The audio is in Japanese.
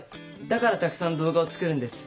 だからたくさん動画を作るんです！